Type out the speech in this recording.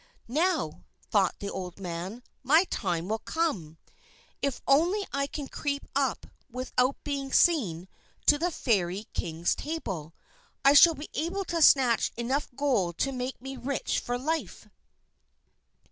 "Now," thought the old man, "my time is come! If only I can creep up, without being seen, to the Fairy King's table, I shall be able to snatch enough gold to make me rich for life."